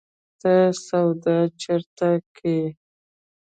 ته سودا چيري کيې؟